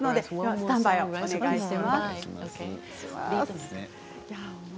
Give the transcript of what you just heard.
スタンバイをお願いします。